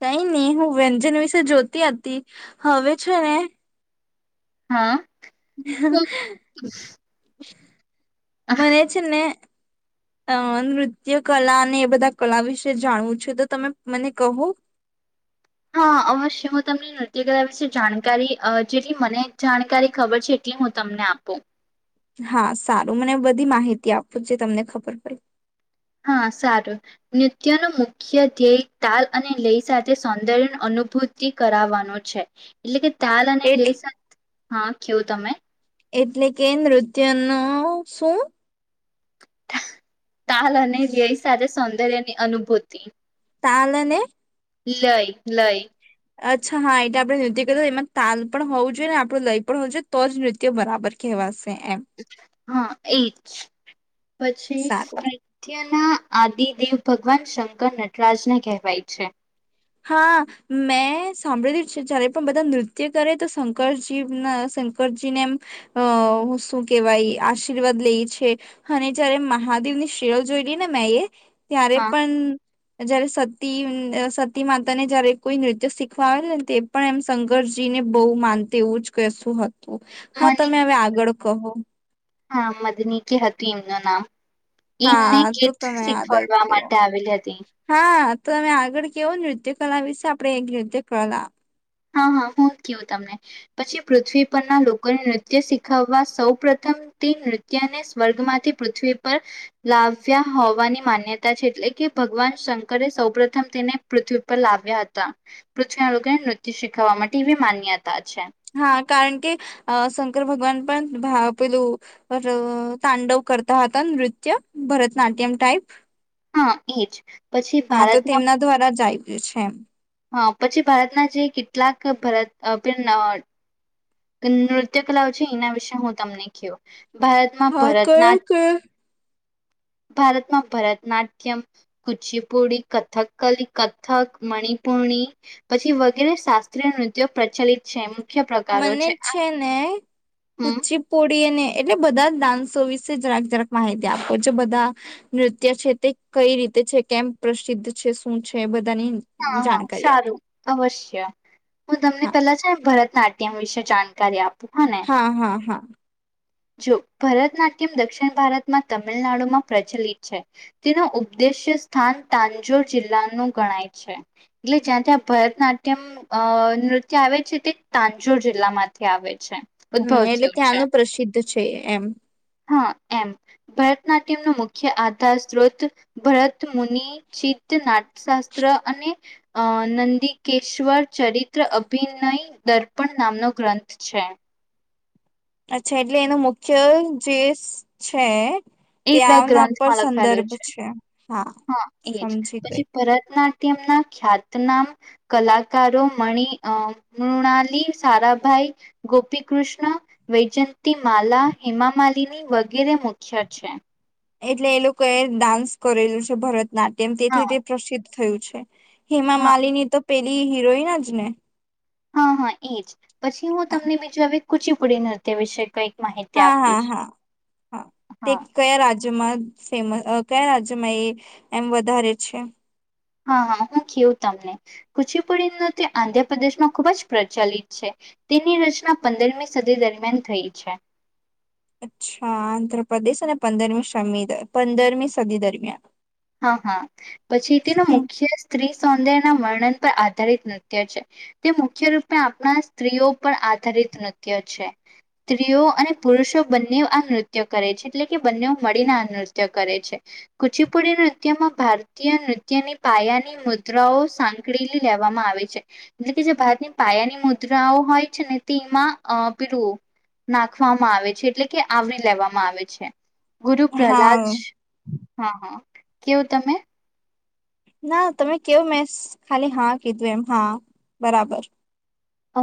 કઈ નહી હું વ્યંજન વિશે જોતી હતી હવે છે ને હા તો હ મને છેને અ નૃત્ય કલા અને એ બધા કલા વિશે જાણવું છે તો તમે મને કહો હા અવશ્ય હું તમને નૃત્યકલા વિશે જાણકારી જેટલી મને જાણકારી ખબર છે એટલી હું તમને આપું હા સારું મને બધી માહિતી આપું જે તમને ખબર પડી હા સારું નૃત્ય ન મુખ્ય ધ્યેય તાલ અને લય સાથે સૌંદર્ય અનુભૂતિ કરાવવાનું છે એટલે કે ત્યાલ અને એટ લેસ હા કેવું તમે એટલે કે નૃત્ય ન શું તાલ અને લેય સાથે સૌંદર્યની અનુભૂતિ ચાલને લઈ લઈ અચ્છા હા એટ આપડણે નૃત્ય કરી એમાં તાલ પણ હોવું જોઈએ ને આપણું લય પણ હોવું જોઈએ તો જ નૃત્ય બરાબર કહેવાશે. એમ હા એજ પછી સારું પાયથયન ના આદિ દેવ ભગવાન શંકર નટરાજને કહેવાય છે. હા મેં સાંભળીલ છે જયારે પણ બધા નૃત્ય કરે તો શંકરજી ના શંકરજીને એમ અ શું કેહેવાય, આશીર્વાદ લે છે અને જયારે મહાદેવ ની શેરલ જોઈ લઈ ને મેં એ ત્યારે હા પણ જયારે તીન. માતી માતા ને જયારે કોઈ નૃત્ય શીખવા આવે ને તે પણ એમ શંકરજી ને બહુ માન એવું જ કહેશું હતું. હા મને તમે હવે આગળ કહો. હા મદની કે હતું એમનું નામ. ઈમને હા તો કીટ તમે આગળ શીખવાડવા કહો માટે આવેલી હતી્ હા તમે આગળ કેવો નૃત્ય કલા વિશે આપણે એક નૃત્ય કલા. હા હા હું કવું તમને પછી પૃથ્વી પરના લોકોને નૃત્ય શીખવા સૌ પ્રથમ તે નૃત્યને સ્વર્ગ માંથી પૃથ્વી પર લાવ્યા હોવાની માન્યતા છે, એટલે કે ભગવાન શંકરે સૌ પ્રથમ તેને પૃથ્વી પર લાવ્યા હતા, પૃથ્વીના લોકોનેૃત શીખવા માટેવી માન્યા તા છે. હા કારણ કે શંકર ભગવાન પણ પેલું તાંડવ કરતા હતા, નૃત્ય ભરતનાટ્યમ ટાઈપ. હા એજ પછી ભારતમાં જે છે એ. હા પછી ભારતના જે કેટલાક ભારત નૃત્ય કલાઓ છે, એના વિશે હું તમને કયો. ભારતમાં હા ભરતના કયો કેયો. ભારતમાં ભરતનાટ્યમ કુચીપુડી કથક કલી કથક મણિપુણી પછી વગેરે શાસ્ત્રીય નૃત્યો પ્રચલિત છે, મુખ્ય પ્રકારો મને જ આ છે ને. હમ પચીપ પોડી ને એટલે બધા ડાન્સો વિશે જરાક જરાક માહિતી આપો જે બધા નૃત્ય છે તે કઈ રીતે છે કેમ પ્રસિદ્ધ છે શું છે. બધાની હા હા જાણકારી આપો સારું અવશ્ય. [inaudible] હું તમને હા પેલા છે ભરત નાટ્યમ વિશેે જાણકારી આપ. હા હા હા. જો ભરતનાટ્યમ દક્ષિણ ભારતમાં તમિલનાડુમાં પ્રચલિત છે, તેનો ઉપદ્દેશ્ય સ્થાન તાંજોર જિલ્લાનું ગણાય છે એટલે જ્યાં ત્યાં ભરતનાટ્યમ અ નૃત્ય આવે છે, તે તાંજોર જિલ્લામાંથી આવે છે. હમ ઉદ્ભવ એટલે થયું છે ત્યાંનું પ્રસિદ્ધ છે એમ. હા એમ ભરતનાટ્યમ ન મુખ્ય આધાર સ્ત્રોત ભરત મુનિ ચી નિત્ય નાટશાસ્ત્ર અને અ નંદિકેશ્વર ચરિત્ર અભિનય દર્પણ નામનો ગ્રંથ છે. અચ્છા એટલે એનો મુખ્ય જે છે. એ તે બે આવના પર ગ્રંથમાં લખાયલો સંદર્ભ છે. હા એજ સમજી ગઈ પછી ભરતનાટ્ય તેમના ખ્યાતનામ, કલાકારો, મણ મૃણાલી, સારાભાઈ, ગોપી કૃષ્ણ વૈજયંતી, માલા હેમા માલિની વગેરે મુખ્ય અ છે. એટલે એ લોકો એ ડાન્સ કરેલું છે. ભરતનાટ્યમ તેમ હા તેથી તે પ્રસિદ્ધ થયું છે. હેમા હા માલિની તો પેલી હીરોઈન જ ને! હા હા એજ. પછી હું હા તમને બીજું આવે કુચીપુડી નૃત્ય વિશે કઈ. હા હા હા હા તે હા કયા રાજ્યોમાં ફેમસ કયા રાજ્યમાં એ એમ વધારે છે. હા હા હું કવું તમને કુચીપુડી ન તે આંધ્રપ્રદેશમાં ખૂબ જ પ્રચલિત છે. તેની રચના પંદરમી સદી દરમિયાન થઈ છે. અચ્છા આંધ્રપ્રદેશ અને પંદરમી પંદરમી સદી દરમિયાન. હા હા પછી તેના મુખ્ય સ્ત્રી સૌંદર ના વર્ણન પર આધારિત નૃત્ય છે. તે મુખ્ય રૂપે આપણા સ્ત્રીઓ પર આધારિત નૃત્ય છે. સ્ત્રીઓ અને પુરુષો બંને આ નૃત્ય કરે છે. એટલે કે બંને મળીને આ નૃત્ય કરે છે. કુચી પુડી નૃત્યમાં ભારતીય નૃત્યની પાયાની મુદ્રાઓ સાંકળીલી લેવામાં આવે છે. એટલે કે જે ભારતની પાયાની મુદ્રાઓ હોય છે, ને તેમાં પીડું નાખવામાં આવે છે એટલે કે આવરી લેવામાં આવે છે. ગુરુ પ્રહલાદ હા હા હા. કેવું તમે ના તમે કેવ મેં ખાલી હા કીધું એમ હા બરાબર.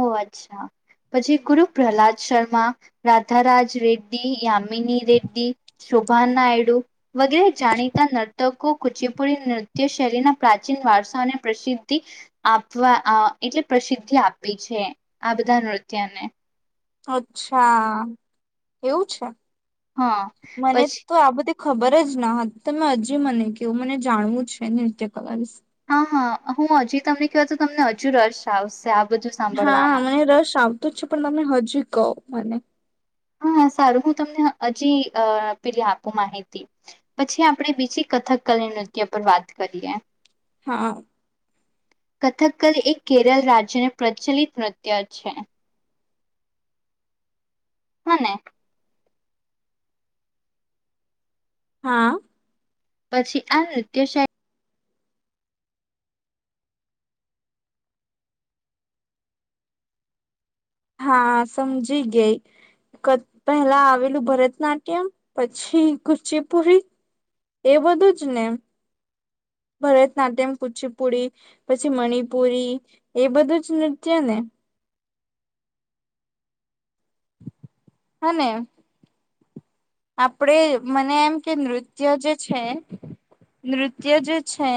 ઓ અચ્છા પછી ગુરુ પ્રહલાદ શર્મા, રાધારાજ રેડ્ડી યામ મિની દરદી શોભા નાયડુ વગેરે જાણીતા નર્તકો કુચીપુડી નૃત્ય શૈલીના પ્રાચીન વારસાઓને પ્રસિદ્ધિ આપવા એટલે પ્રસિદ્ધિ આપ આપી છે‌ આ બધા નૃત્ય ને. અચ્છા એવું છે. હા મને પછી તો આ બધી ખબર જ ના હતી તમે હજી મને કેવું મને જાણવું છે. નૃત્ય કલા વિશે. હા હા હું હજી તમને કવા તો તમને હજુ રસ આવશે. બધું હા સાંભળવામાં મને રસ આવતો જ છે પણ તમે હજુ કહો મને. હા સારું હું તમને હજી પેલી આપું માહિતી પછી આપણે બીજી કથક કલી નૃત્ય પર વાત કરીએ. હાં. કથક્કલી એક કેરળ રાજ્યને પ્રચલિત નૃત્ય છે. હ ને. હાં. પછી આ નૃત્યશ હા સમજી ગય પહેલા આવેલું ભરતનાટ્યમ પછી, કુચીપુરી એ બધું જ ને! ભરતનાટ્યમ કુચીપુરી પછી મણિપુરી એ બધું જ નૃત્ય ને! અને આપડે મને એમ કે નૃત્ય જે છે નૃત્ય જે છે